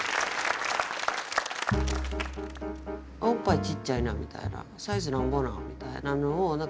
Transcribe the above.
「おっぱいちっちゃいな」みたいな「サイズなんぼなん？」